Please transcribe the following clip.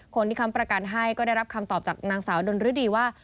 ค้ำประกันให้ก็ได้รับคำตอบจากนางสาวดนฤดีว่า